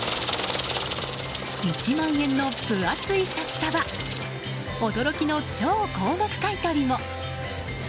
１万円の分厚い札束驚きの超高額買い取りも。